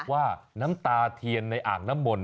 ว่าน้ำตาเทียนในอ่างน้ำมนต